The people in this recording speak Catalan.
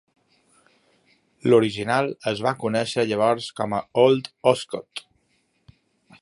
L'original es va conèixer llavors com a Old Oscott.